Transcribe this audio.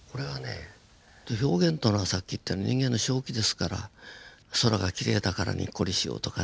表現というのはさっき言ったように人間の正気ですから空がきれいだからにっこりしようとかね。